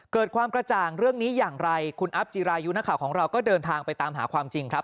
เกิดความกระจ่างเรื่องนี้อย่างไรคุณอัพจิรายุนักข่าวของเราก็เดินทางไปตามหาความจริงครับ